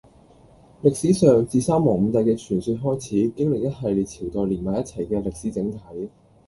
歷史上，自三皇五帝嘅傳說時代開始，經歷一系列朝代連埋一齊嘅「歷史整體」。